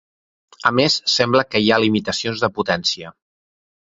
A més sembla que hi ha limitacions de potència.